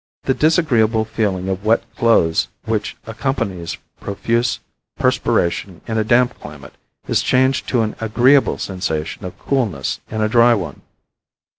The disagreeable feeling of wet clothes which accompanies profuse perspiration in a damp climate is changed to an agreeable sensation of coolness in a dry one.